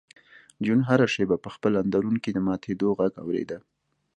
جون هره شېبه په خپل اندرون کې د ماتېدو غږ اورېده